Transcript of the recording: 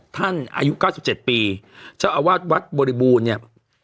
อายุ๙๗ปีเจ้าอาวาสวัดบริบูรณ์เนี่ย